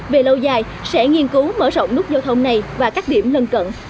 về lâu dài sẽ nghiên cứu mở rộng nút giao thông này và các điểm lân cận